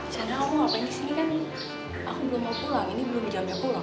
sana kamu ngapain disini kan aku belum mau pulang ini belum jamnya pulang